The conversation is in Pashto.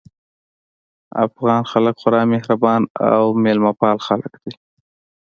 افغان خلک خورا مهربان او مېلمه پال خلک دي